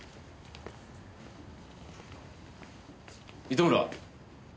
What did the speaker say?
糸村。